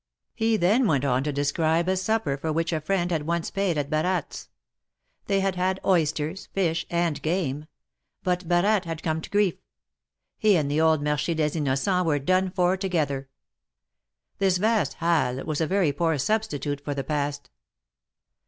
He then went on to describe a supper for which a friend had once paid at Baratte's. They had had oysters, fish and game ; but Baratte had come to grief. He and the old Marche des Innocents were done for together. This vast Halles was a very poor substitute for the past.